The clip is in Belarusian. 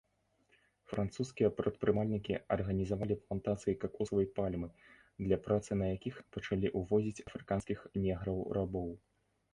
Французскія прадпрымальнікі арганізавалі плантацыі какосавай пальмы, для працы на якіх пачалі увозіць афрыканскіх неграў-рабоў.